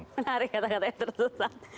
menarik kata kata yang tersesat